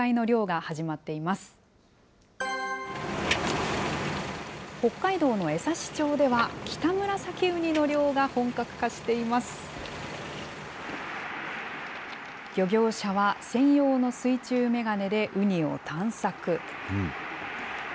漁業者は専用の水中眼鏡でウニを探索。